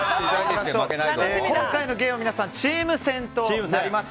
今回のゲームはチーム戦となります。